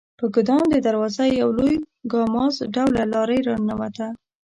په ګدام د دروازه یو لوی کاماز ډوله لارۍ راننوته.